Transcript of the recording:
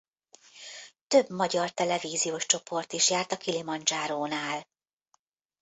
Több magyar televíziós csoport is járt a Kilimandzsárónál.